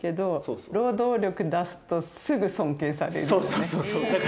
そうそうそうそう。